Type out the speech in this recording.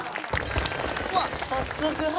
うわっ早速花火！